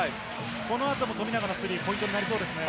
この後も富永のスリーポイントになりそうですね。